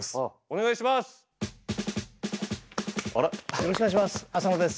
よろしくお願いします。